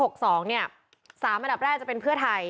แล้ว๓อัดับร่ายจะเป็นเพื่อไทย